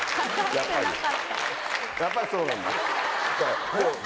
やっぱりそうなんだ。